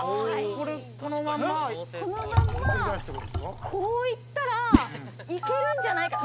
このまま、こういったら、いけるんじゃないか。